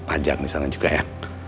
ajak disana juga ya